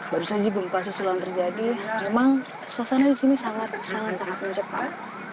baru saja gempa susulan terjadi memang suasana di sini sangat sangat mencekam